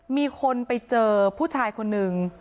มีคนไปเจอผู้ชายคนนึง